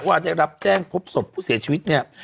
ว่าได้รับแจ้งพบศพผู้เสียชีวิตเนี่ย